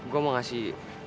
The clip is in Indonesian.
gue mau kasih